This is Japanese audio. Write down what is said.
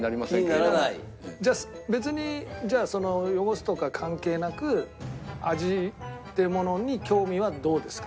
じゃあ別に汚すとか関係なく味ってものに興味はどうですか？